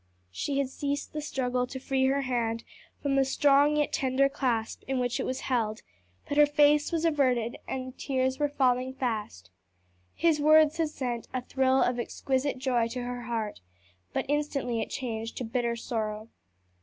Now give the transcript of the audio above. She had ceased the struggle to free her hand from the strong yet tender clasp in which it was held, but her face was averted and tears were falling fast. His words had sent a thrill of exquisite joy to her heart, but instantly it changed to bitter sorrow.